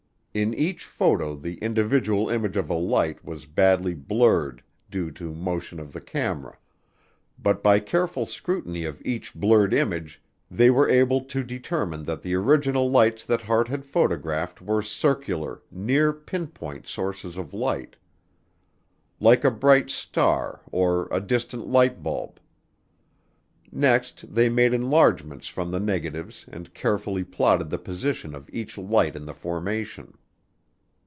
In each photo the individual image of a light was badly blurred due to motion of the camera, but by careful scrutiny of each blurred image they were able to determine that the original lights that Hart had photographed were circular, near pinpoint sources of light. Like a bright star, or a distant light bulb. Next they made enlargements from the negatives and carefully plotted the position of each light in the formation.